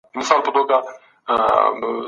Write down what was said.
زیات کار ستړیا رامنځته کوي.